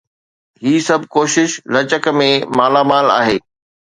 هي سڀ ڪوشش لچڪ ۾ مالا مال آهي.